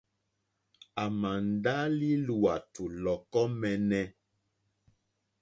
À màà ndá lí lùwàtù lɔ̀kɔ́ mǃɛ́ɛ́nɛ́.